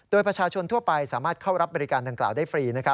โดยประชาชนทั่วไปสามารถเข้ารับบริการดังกล่าวได้ฟรี